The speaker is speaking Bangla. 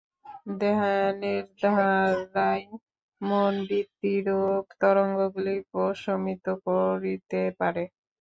ধ্যানের দ্বারাই মন বৃত্তিরূপ তরঙ্গগুলি প্রশমিত করিতে পারে।